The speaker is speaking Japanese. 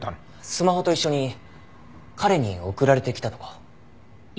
スマホと一緒に彼に送られてきたとか。